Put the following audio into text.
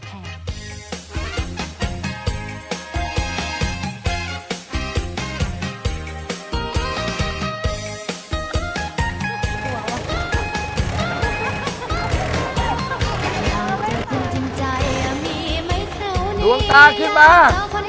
หลวงตาขึ้นมา